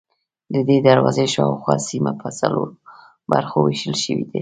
ددې دروازې شاوخوا سیمه په څلورو برخو وېشل شوې ده.